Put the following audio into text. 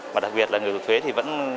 và đặc biệt là người nộp thuế vẫn